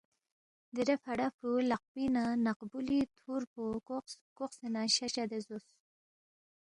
دیرے فڑا فرُوی لقپِنگ نہ نق غبُولی تھُور پو کوقس، کوقسے نہ شہ چدے رُوس